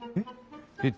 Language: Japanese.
えっ？